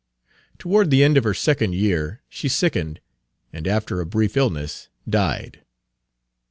Toward the end of her second year she sickened, and after a brief illness died.